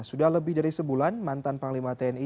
sudah lebih dari sebulan mantan panglima tni